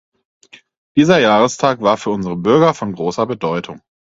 Dieser Jahrestag war für unsere Bürger von großer Bedeutung.